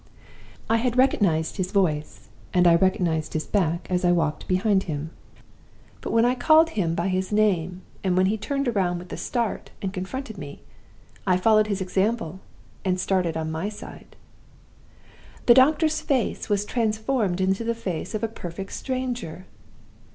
"I had recognized his voice, and I recognized his back as I walked behind him. But when I called him by his name, and when he turned round with a start and confronted me, I followed his example, and started on my side. The doctor's face was transformed into the face of a perfect stranger!